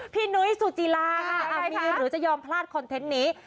นุ้ยสุจิลาค่ะมีหรือจะยอมพลาดคอนเทนต์นี้